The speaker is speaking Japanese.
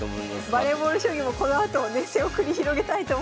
バレーボール将棋もこのあと熱戦を繰り広げたいと思います。